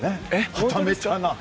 はちゃめちゃな。